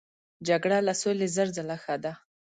جګړه له سولې زر ځله ښه ده.